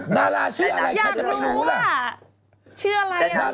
ดาราชื่ออะไรใครจะไม่รู้ล่ะแดกนั้นอยากรู้